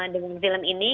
dengan film ini